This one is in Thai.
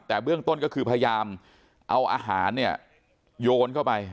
แต่เบื้องต้นก็คือพยายามเอาอาหารเนี่ยโยนเข้าไป